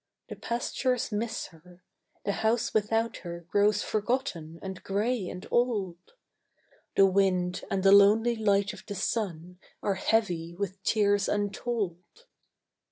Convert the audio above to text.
The pastures miss her; the house without her Grows forgotten, and gray, and old; The wind, and the lonely light of the sun, Are heavy with tears untold.